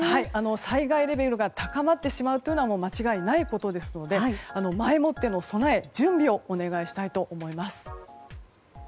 災害レベルが高まってしまうというのは間違いないことですし前もっての備え、準備をお願いしたいと思います。